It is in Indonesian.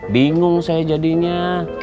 bingung saya jadinya